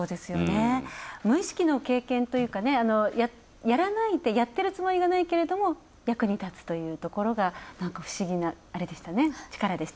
無意識の経験というかね、やってるつもりがないけれども役に立つというところが不思議な力でしたよね。